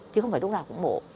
chứ không phải lúc nào cũng mổ